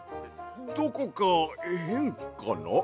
どこかへんかな？